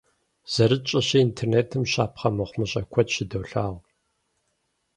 ЗэрытщӀэщи, интернетым щапхъэ мыхъумыщӏэ куэд щыдолъагъу.